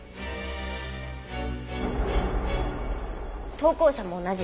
投稿者も同じ。